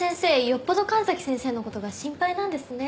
よっぽど神崎先生の事が心配なんですね。